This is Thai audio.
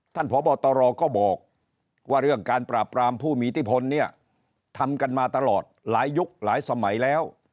พบตรก็บอกว่าเรื่องการปราบปรามผู้มีอิทธิพลเนี่ยทำกันมาตลอดหลายยุคหลายสมัยแล้ว